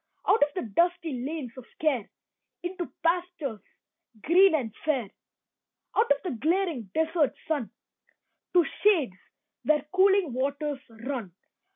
Out of the dusty lanes of care Into pastures green and fair. Out of the glaring desert sun To shades where cooling waters run.